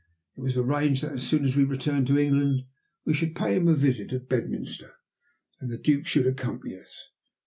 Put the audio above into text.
It was arranged that, as soon as we returned to England, we should pay him a visit at Bedminster, and that the Duke should accompany us.